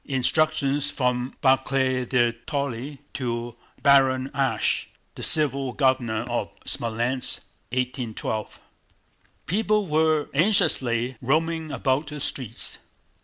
(Instructions from Barclay de Tolly to Baron Asch, the civil governor of Smolénsk, 1812.) People were anxiously roaming about the streets.